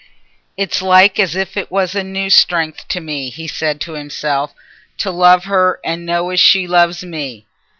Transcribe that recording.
"It's like as if it was a new strength to me," he said to himself, "to love her and know as she loves me.